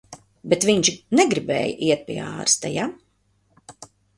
Bet viņš negribēja iet pie ārsta, ja?